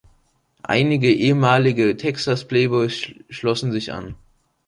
Einige ehemalige Texas Playboys schlossen sich an.